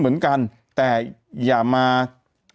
เปิดเผยนะครับบอกว่าวันที่๑๕กุมภาพันธุ์